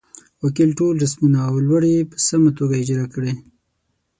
وکیل ټول رسمونه او لوړې په سمه توګه اجرا کړې.